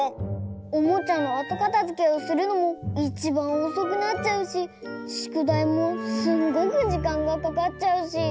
おもちゃのあとかたづけをするのもいちばんおそくなっちゃうししゅくだいもすんごくじかんがかかっちゃうし。